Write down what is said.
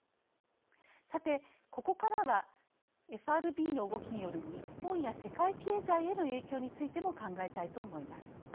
さて、ここからはＦＲＢの動きによる日本や世界経済への影響についても考えたいと思います。